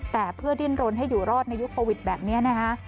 แต่เพื่อดิ้นรนให้อยู่รอดในยุคโควิดแบบนี้นะคะ